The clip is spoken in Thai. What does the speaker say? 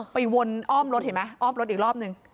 วนอ้อมรถเห็นไหมอ้อมรถอีกรอบนึง